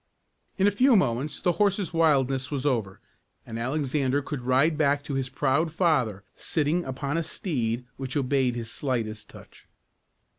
] In a few moments the horse's wildness was over, and Alexander could ride back to his proud father, sitting upon a steed which obeyed his slightest touch.